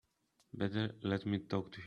Better let me talk to him.